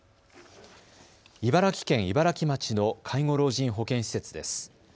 茨城県茨城町の介護老人保健施設です。